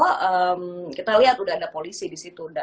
hmm kita liat udah ada polisi disitu